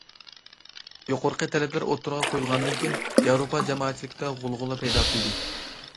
يۇقىرىقى تەلەپلەر ئوتتۇرىغا قويۇلغاندىن كىيىن، ياۋروپا جامائەتچىلىكىدە غۇلغۇلا پەيدا قىلدى.